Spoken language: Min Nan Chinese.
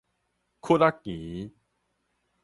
窟仔墘